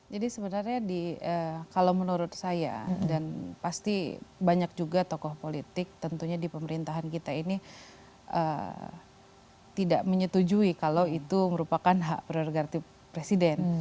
jadi sebenarnya kalau menurut saya dan pasti banyak juga tokoh politik tentunya di pemerintahan kita ini tidak menyetujui kalau itu merupakan hak prerogatif presiden